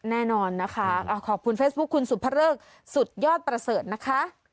แน่นอนนะคะขอบคุณเฟซบุ๊คคุณสุภเริกสุดยอดประเสริฐนะคะ